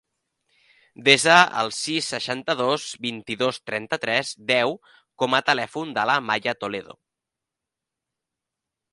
Desa el sis, seixanta-dos, vint-i-dos, trenta-tres, deu com a telèfon de la Maya Toledo.